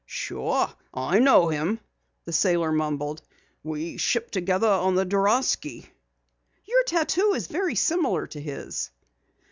"Sure I know him," the sailor mumbled. "We shipped together on the Dorasky." "Your tattoo is very similar to his."